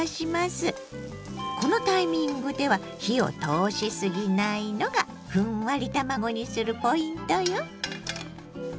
このタイミングでは火を通しすぎないのがふんわり卵にするポイントよ。